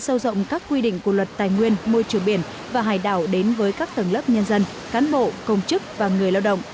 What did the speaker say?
sâu rộng các quy định của luật tài nguyên môi trường biển và hải đảo đến với các tầng lớp nhân dân cán bộ công chức và người lao động